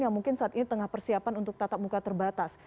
yang mungkin saat ini tengah persiapan untuk tatap muka terbatas